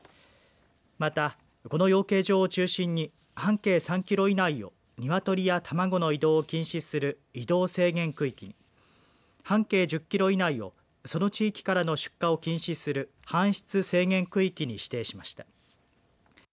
また、この養鶏場を中心に半径３キロ以内を鶏や卵の移動を禁止する移動制限区域に半径１０キロ以内をその地域からの出荷を禁止する搬出制限区域に指定しました。